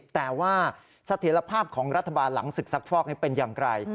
แต่ว่าเสถียรภาพของรัฐบาลหลังศึกซักฟอกเป็นอย่างไร